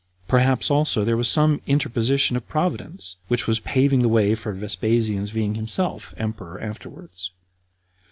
Perhaps also there was some interposition of Providence, which was paving the way for Vespasian's being himself emperor afterwards.